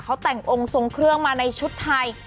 เขาแต่งองค์ทรงเครื่องมาในชุดไทย